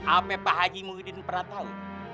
apa pak eji muhyiddin pernah tau